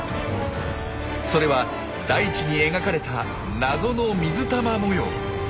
それは大地に描かれた謎の水玉模様。